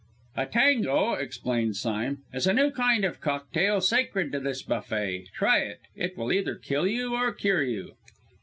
"A 'tango,'" explained Sime, "is a new kind of cocktail sacred to this buffet. Try it. It will either kill you or cure you."